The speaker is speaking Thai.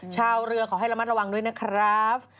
ชาวเรือขอให้ระมัดระวังด้วยนะครับ